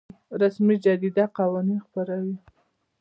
رسمي جریده قوانین خپروي